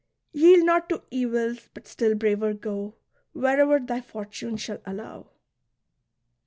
Yield not to evils, but, still braver, go " Where'er thy fortune shall allow."